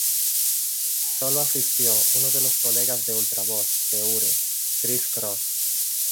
Sólo asistió uno de los colegas de Ultravox de Ure, Chris Cross.